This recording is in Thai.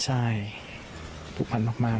ใช่ผูกพันมาก